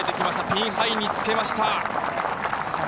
ピンハイにつけました。